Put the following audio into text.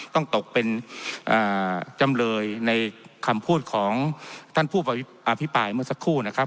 ต้องตกเป็นจำเลยในคำพูดของท่านผู้อภิปรายเมื่อสักครู่นะครับ